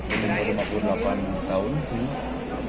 ini lima puluh delapan tahun